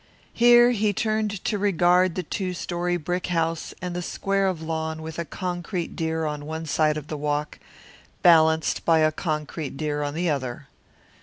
Here he turned to regard the two story brick house and the square of lawn with a concrete deer on one side of the walk, balanced by a concrete deer on the other.